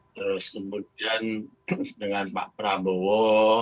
terus kemudian dengan pak prabowo